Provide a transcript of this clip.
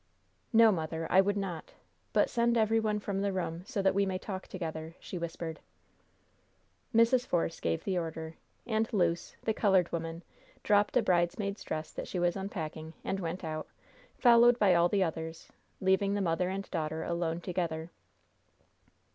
"No, mother, I would not! But send every one from the room so that we may talk together," she whispered. Mrs. Force gave the order, and Luce, the colored woman, dropped a bridesmaid's dress that she was unpacking, and went out, followed by all the others, leaving the mother and daughter alone together.